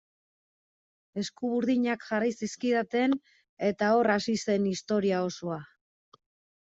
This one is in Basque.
Eskuburdinak jarri zizkidaten eta hor hasi zen historia osoa.